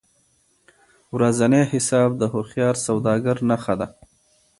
ورځنی حساب د هوښیار سوداګر نښه ده.